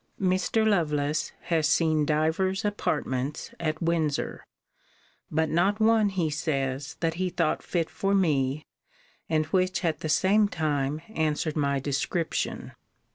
Mr. Lovelace has seen divers apartments at Windsor; but not one, he says, that he thought fit for me, and which, at the same time, answered my description.